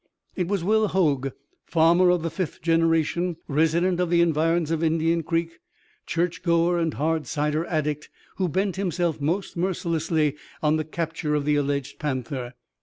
It was Will Hoag, farmer of the fifth generation, resident of the environs of Indian Creek, church goer, and hard cider addict, who bent himself most mercilessly on the capture of the alleged panther.